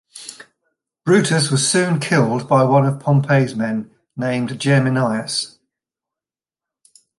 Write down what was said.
Brutus was soon killed by one of Pompey's men, named Geminius.